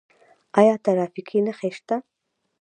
آیا ټرافیکي نښې شته؟